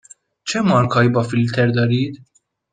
چه مارک هایی با فیلتر دارید؟